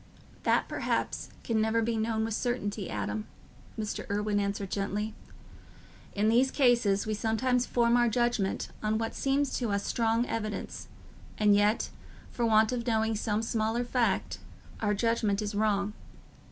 "That perhaps can never be known with certainty, Adam," Mr. Irwine answered gently. "In these cases we sometimes form our judgment on what seems to us strong evidence, and yet, for want of knowing some small fact, our judgment is wrong.